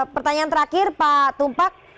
pertanyaan terakhir pak tumpak